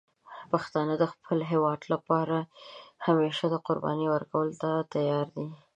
پښتانه د خپل هېواد لپاره همیشه د قربانی ورکولو ته تیار دي.